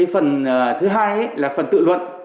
phần thứ hai là phần tự luận